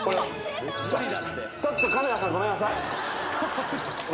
ちょっとカメラさんごめんなさい。